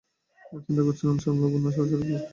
চিন্তা করছিলাম সামলাবো না সরাসরি ফ্লার্ট করা শুরু করব।